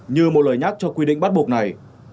như một lời nhắc cho quy định bắt buộc này